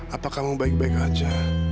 apa kamu baik baik aja